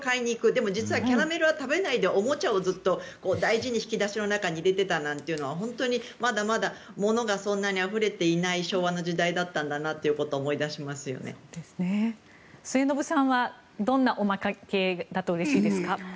でも、実はキャラメルは食べないでおもちゃを大事に引き出しの中に入れていたなんていうのは本当にまだまだものがそんなにあふれていない昭和の時代だったんだなって末延さんはどんなおまけだとうれしいですか？